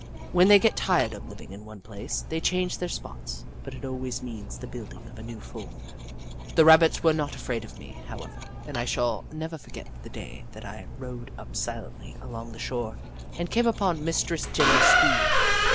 When they get tired of living in one place, they change their spots, but it always means the building of a new form. The Rabbits were not afraid of me, how ever, and I shall never forget the day that I rowed up silently along the shore and came upon Mistress Jenny's school.